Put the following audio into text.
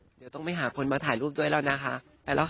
เดี๋ยวต้องไปหาคนมาถ่ายรูปด้วยแล้วนะคะ